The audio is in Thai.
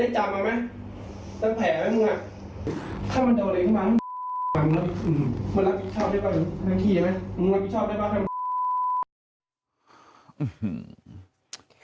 ทำลักทีมั้ย